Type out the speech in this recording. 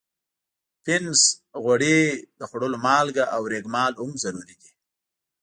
پنس، غوړي، د خوړلو مالګه او ریګ مال هم ضروري دي.